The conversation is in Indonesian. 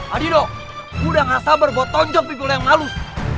adido udah gak sabar buat tonjok ribut yang malus